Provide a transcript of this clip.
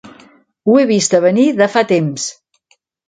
Ho he vist a venir de fa temps.